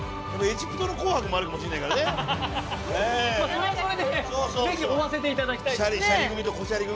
それはそれで是非追わせていただきたい。